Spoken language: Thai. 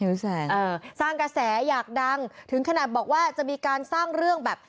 สร้างกระแสอยากดังถึงขนาดบอกว่าจะมีการสร้างเรื่องแบบ